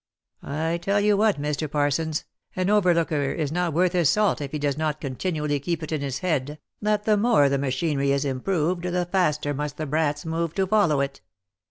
I tell you what, Mr. Parsons, an overlooker is not worth his salt if he does not continually keep it in his head, that the more the machinery is improved the faster must the brats move to follow it.